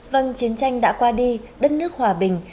vâng chiến tranh đã qua đi đất nước hòa bình